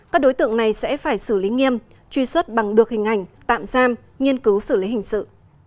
các đối tượng này sẽ phải xử lý nghiêm truy xuất bằng được hình ảnh tạm giam nghiên cứu xử lý hình sự